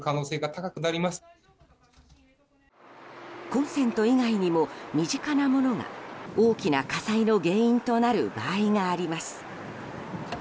コンセント以外にも身近なものが大きな火災の原因となる場合があります。